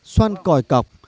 xoan còi cọc